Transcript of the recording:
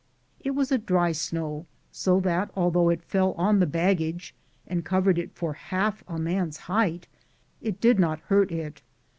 It was a dry snow, so that although it fell on the baggage and covered it for half a man's height it did not hurt it.